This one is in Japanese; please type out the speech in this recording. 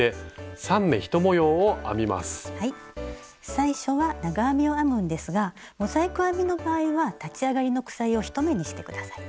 最初は長編みを編むんですがモザイク編みの場合は立ち上がりの鎖を１目にして下さいね。